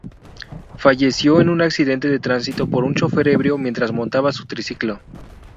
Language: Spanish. Falleció en un accidente de transito por un chófer ebrio mientras montaba su triciclo.